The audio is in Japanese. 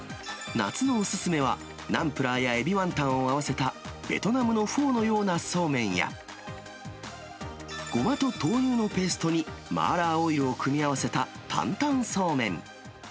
夏のお薦めは、ナンプラーやエビワンタンを合わせたベトナムのフォーのようなそうめんや、ごまと豆乳のペーストにマーラーオイルを組み合わせた坦々そうめん。